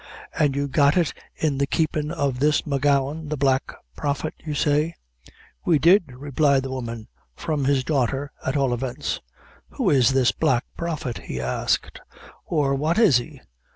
"And you got it in the keeping of this M'Gowan, the Black Prophet, you say?" "We did," replied the woman, "from his daughter, at all events." "Who is this Black Prophet?" he asked; "or what is he?